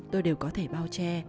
tôi đều có thể bao che